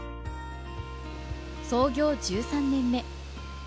創業１３年目。